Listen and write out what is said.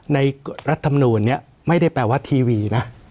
ในรัฐธรรมนูญเนี่ยไม่ได้แปลว่าทีวีนะ